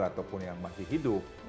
ataupun yang masih hidup